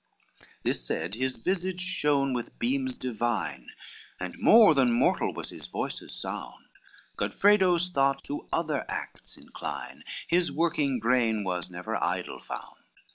LII This said, his visage shone with beams divine, And more than mortal was his voice's sound, Godfredo's thought to other acts incline, His working brain was never idle found.